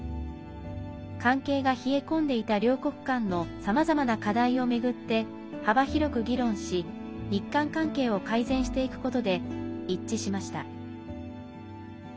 関係が冷え込んでいた両国間のさまざまな課題を巡って幅広く議論し日韓関係を改善していくことで一致しました。